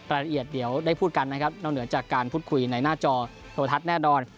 รายละเอียดเดี๋ยวได้พูดกันนะครับนอกเหนือจากการพูดคุยในหน้าจอโทรทัศน์แน่นอน